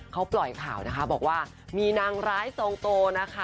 เขาปล่อยข่าวนะคะบอกว่ามีนางร้ายซองโตนะคะ